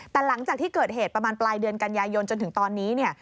แต่หลังจากที่เกิดเหตุประมาณปลายเดือนกันยายนจนถึงตอนนี้เนี่ย